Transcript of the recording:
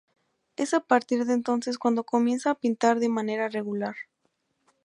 Es a partir de entonces cuando comienza a pintar de manera regular.